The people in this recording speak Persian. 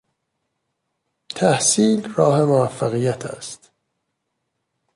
تحصیل راه موفقیت است.